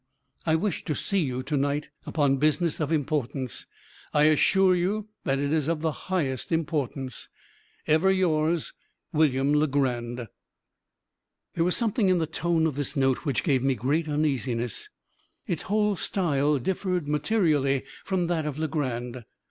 I wish to see you to night, upon business of importance. I assure you that it is of the highest importance. "Ever yours, "William Legrand." There was something in the tone of this note which gave me great uneasiness. Its whole style differed materially from that of Legrand.